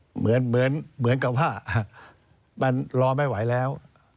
เหมือนกับว่ามันรอไม่ไหวแล้ว